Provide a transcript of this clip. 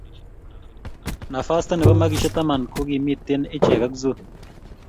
Nafasta ne bo makishe taman ko kimetien icheek ak Zoo.